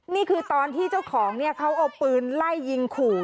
นี่คือตอนที่เจ้าของเนี่ยเขาเอาปืนไล่ยิงขู่